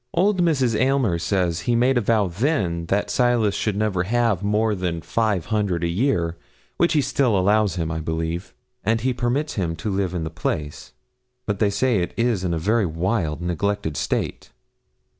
Old Mrs. Aylmer says he made a vow then that Silas should never have more than five hundred a year, which he still allows him, I believe, and he permits him to live in the place. But they say it is in a very wild, neglected state.'